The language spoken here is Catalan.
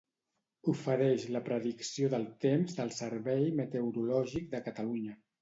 Ofereix la predicció del temps del Servei Meteorològic de Catalunya.